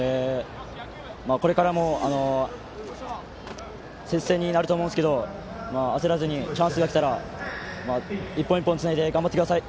これからも接戦になると思うんですけど焦らずにチャンスがきたら一本一本つないで頑張ってください。